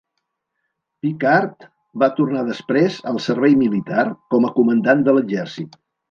Picquart va tornar després al servei militar com a comandant de l"exèrcit.